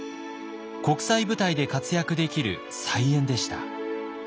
国際舞台で活躍できる才媛でした。